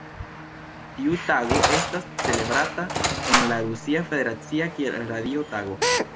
Tiu tago estas celebrata en la Rusia Federacio kiel Radio Tago.